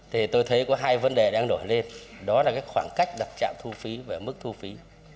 thì tôi thấy có hai vấn đề đang nổi lên đó là cái khoảng cách đặt trạm thu phí và mức thu phí